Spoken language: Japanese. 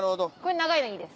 長いのいいです。